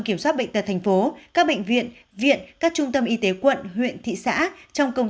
kiểm soát bệnh tật thành phố các bệnh viện viện các trung tâm y tế quận huyện thị xã trong công